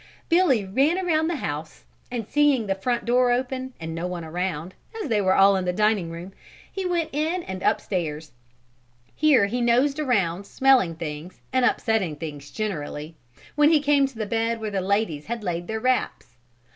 Billy ran around the house and seeing the front door open and no one around, as they were all in the dining room, he went in and up stairs. Here he nosed around smelling things and upsetting things generally, when he came to the bed where the ladies had laid their wraps.